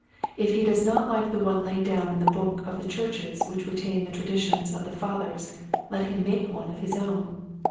If he does not lilce the one laid down in the books of the churches which retain the tra ditions of the fathers let him make one of his own.